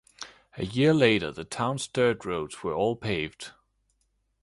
A year later, the town's dirt roads were all paved.